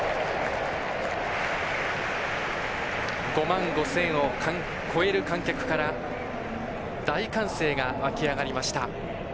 ５万５０００を超える観客から大歓声が沸きあがりました。